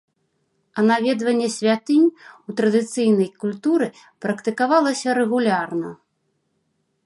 А наведванне святынь у традыцыйнай культуры практыкавалася рэгулярна.